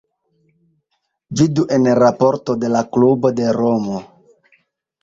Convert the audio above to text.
Vidu en raporto de la klubo de Romo.